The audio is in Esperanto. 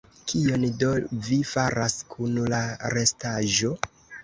Kion do vi faras kun la restaĵo?